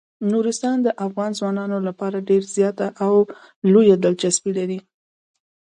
نورستان د افغان ځوانانو لپاره ډیره زیاته او لویه دلچسپي لري.